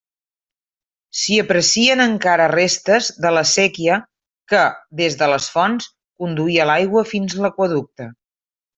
S'hi aprecien encara restes de la séquia que, des de les fonts, conduïa l'aigua fins a l'aqüeducte.